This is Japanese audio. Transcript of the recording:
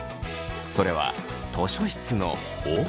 それは図書室の奥。